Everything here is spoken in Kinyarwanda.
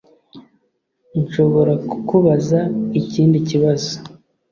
Nshobora kukubaza ikindi kibazo